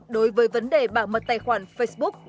đối với vấn đề bảo mật tài khoản facebook